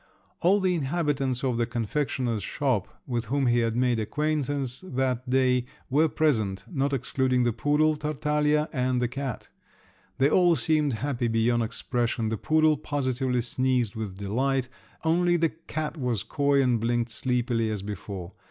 All the inhabitants of the confectioner's shop, with whom he had made acquaintance that day, were present, not excluding the poodle, Tartaglia, and the cat; they all seemed happy beyond expression; the poodle positively sneezed with delight, only the cat was coy and blinked sleepily as before.